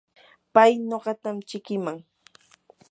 pay nuqatam chikiman.